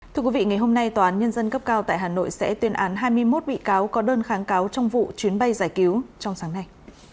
thưa quý vị ngày hôm nay tòa án nhân dân cấp cao tại hà nội sẽ tuyên án hai mươi một bị cáo có đơn kháng cáo trong vụ chuyến bay giải cứu trong sáng nay